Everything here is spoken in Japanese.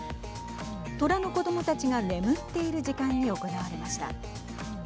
虎の子どもたちが眠っている時間に行われました。